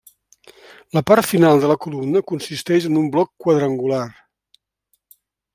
La part final de la columna consisteix en un bloc quadrangular.